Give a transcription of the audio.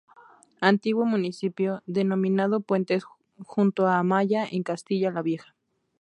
Antiguo municipio, denominado Puentes junto a Amaya en Castilla la Vieja.